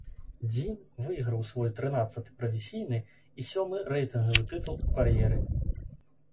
Дзін выйграў свой трынаццаты прафесійны і сёмы рэйтынгавы тытул у кар'еры.